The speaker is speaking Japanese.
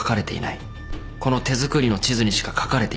この手作りの地図にしか書かれていないんだ。